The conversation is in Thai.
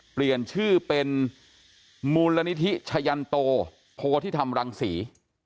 เปลี่ยนชื่อเป็นมูลนิธิชะยันโตโพธิธรรมรังศรี